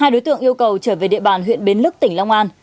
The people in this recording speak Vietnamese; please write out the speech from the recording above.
hai đối tượng yêu cầu trở về địa bàn huyện bến lức tỉnh long an